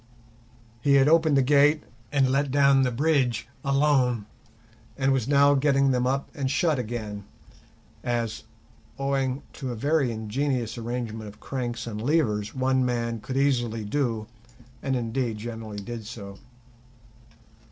He had opened the gate and let down the bridge alone, and was now getting them up and shut again (as, owing to a very ingenious arrangement of cranks and levers, one man could easily do, and indeed generally did do).